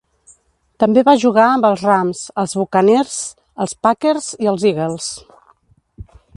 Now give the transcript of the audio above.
També va jugar amb els Rams, els Buccaneers, els Packers i els Eagles.